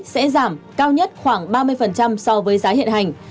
sẽ giảm cao nhất khoảng ba mươi so với giá hiện hành